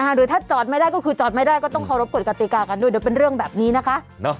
หรือถ้าจอดไม่ได้ก็คือจอดไม่ได้ก็ต้องเคารพกฎกติกากันด้วยเดี๋ยวเป็นเรื่องแบบนี้นะคะ